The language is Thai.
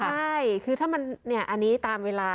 ใช่คือถ้ามันเนี่ยอันนี้ตามเวลา